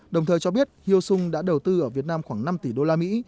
đồng thời cho biết hyo sung đã đầu tư ở việt nam khoảng năm tỷ usd